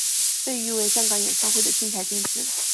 被誉为香港演唱会的金牌监制。